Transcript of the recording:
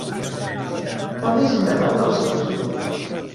També és integrant de la selecció turca.